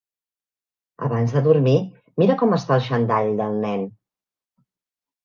Abans de dormir, mira com està el xandall del nen.